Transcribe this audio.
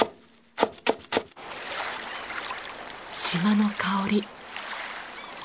島の香り。